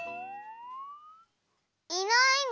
いないの？